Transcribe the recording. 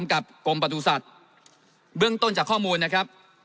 ไว้ปรับประทุษ้าเบื้องต้นจากข้อมูลนะครับ